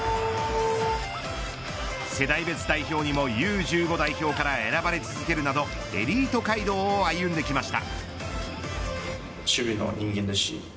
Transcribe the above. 世代別代表にもＵ‐１５代表から選ばれ続けるなどエリート街道を歩んできました。